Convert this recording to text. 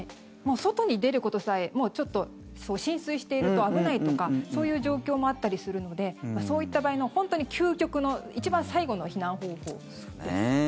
外に出ることさえもう浸水していると危ないとかそういう状況もあったりするのでそういった場合の、本当に究極の一番最後の避難方法です。